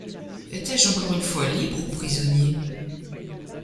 Étais-je encore une fois libre ou prisonnier ?